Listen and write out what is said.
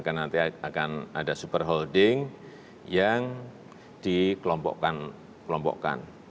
nanti akan ada super holding yang dikelompokkan